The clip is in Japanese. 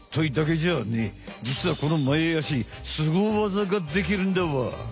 じつはこの前あしスゴ技ができるんだわ！